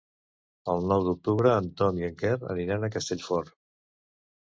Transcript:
El nou d'octubre en Tom i en Quer aniran a Castellfort.